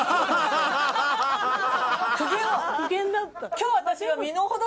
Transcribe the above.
今日私は。